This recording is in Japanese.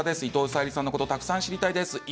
伊藤沙莉さんのことたくさん知りたいです。